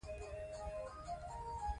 مور یې غواړي چې روزنې نوې لارې وکاروي.